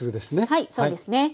はいそうですね。